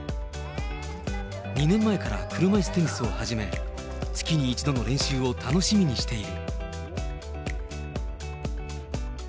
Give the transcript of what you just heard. ２年前から車いすテニスを始め、月に１度の練習を楽しみにしている。